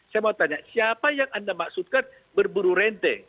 saya mau tanya siapa yang anda maksudkan berburu rente